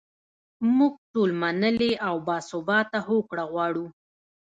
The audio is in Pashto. موږ ټول منلې او باثباته هوکړه غواړو.